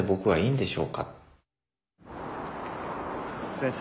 先生。